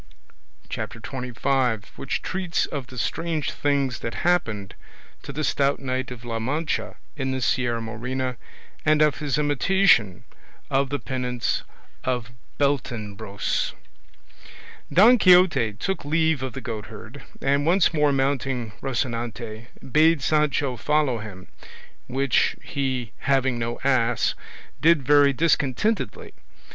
CHAPTER XXV. WHICH TREATS OF THE STRANGE THINGS THAT HAPPENED TO THE STOUT KNIGHT OF LA MANCHA IN THE SIERRA MORENA, AND OF HIS IMITATION OF THE PENANCE OF BELTENEBROS Don Quixote took leave of the goatherd, and once more mounting Rocinante bade Sancho follow him, which he having no ass, did very discontentedly.